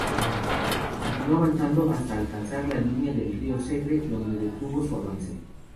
Continuó avanzando hasta alcanzar la línea del río Segre, donde detuvo su avance.